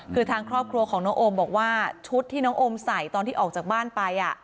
คือทางครอบครัวของน้องโอมบอกว่าชุดที่น้องโอมใส่ตอนที่ออกจากบ้านไป